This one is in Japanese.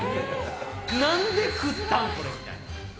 なんで食ったん、これみたいな。